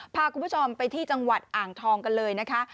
พาคุณผู้ชมไปที่จังหวัดอ่างทองกันเลยนะคะ